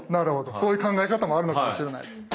そういう考え方もあるのかもしれないです。